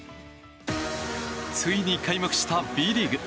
ついに開幕したＢリーグ。